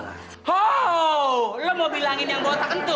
ho lo mau bilangin yang botak itu